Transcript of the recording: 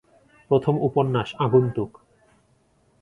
প্রথম উপন্যাস আগন্তুক।